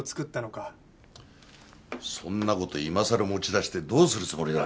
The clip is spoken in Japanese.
そんな事今さら持ち出してどうするつもりだ？